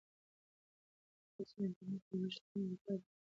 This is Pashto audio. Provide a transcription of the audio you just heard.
تاسو د انټرنیټ د لګښت د کمولو لپاره ځینې ایپسونه بند کړئ.